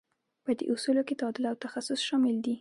په دې اصولو کې تعادل او تخصص شامل دي.